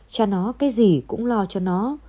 cha nó cái gì cũng lo cho nó